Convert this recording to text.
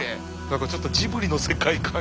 何かちょっとジブリの世界観。